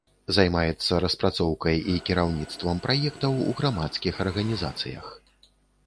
Займаецца распрацоўкай і кіраўніцтвам праектаў у грамадскіх арганізацыях.